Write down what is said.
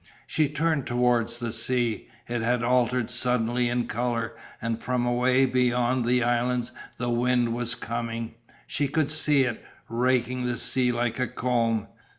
She turned towards the sea. It had altered suddenly in colour and from away beyond the islands the wind was coming. She could see it, raking the sea like a comb.